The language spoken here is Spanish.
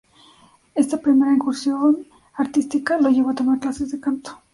Esta primera incursión artística lo llevó a tomar clases de canto.